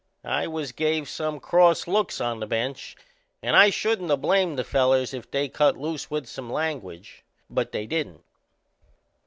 I was gave some cross looks on the bench and I shouldn't of blamed the fellers if they'd cut loose with some language; but they didn't.